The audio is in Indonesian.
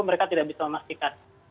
mereka tidak bisa memastikan